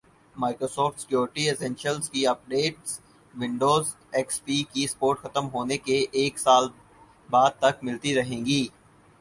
Microsoft security essentials کی updates Windows X P کی support ختم ہونے کے ایک سال بعد تک ملتی رہیں گی